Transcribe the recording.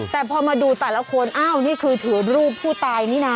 แต่พอมาดูแต่ละคนอ้าวนี่คือถือรูปผู้ตายนี่นะ